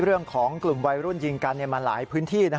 เรื่องของกลุ่มวัยรุ่นยิงกันมาหลายพื้นที่